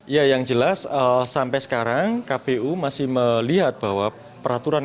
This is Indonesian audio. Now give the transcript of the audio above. ya yang jelas sampai sekarang kpu masih melihat bahwa peraturan